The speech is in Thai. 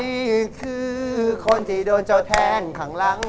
นี่คือคนที่โดนเจ้าแทงข้างหลัง